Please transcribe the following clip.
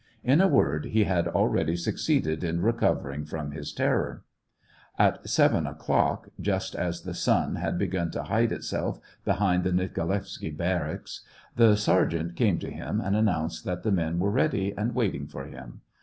In a word, he had already succeeded in recovering from his terror. At seven o'clock, just as the sun had begun to hide itself behind the Nikolaevsky barracks, the sergeant came to him, and announced that the men were ready and waiting for him.